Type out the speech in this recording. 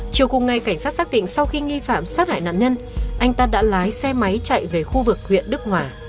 chiều cùng ngày cảnh sát xác định sau khi nghi phạm sát hại nạn nhân anh ta đã lái xe máy chạy về khu vực